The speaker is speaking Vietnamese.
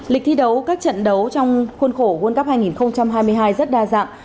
lịch thi đấu các trận đấu trong khuôn khổ world cup hai nghìn hai mươi hai rất đa dạng